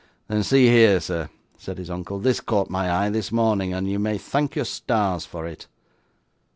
'Then see here, sir,' said his uncle. 'This caught my eye this morning, and you may thank your stars for it.